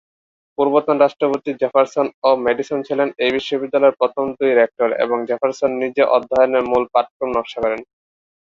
পূর্বতন রাষ্ট্রপতি জেফারসন ও ম্যাডিসন ছিলেন এই বিশ্ববিদ্যালয়ের প্রথম দুই রেক্টর, এবং জেফারসন নিজে অধ্যয়নের মূল পাঠক্রম নকশা করেন।